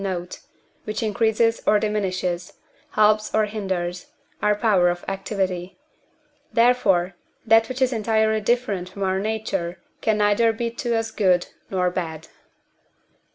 note), which increases or diminishes, helps or hinders, our power of activity; therefore, that which is entirely different from our nature can neither be to us good nor bad.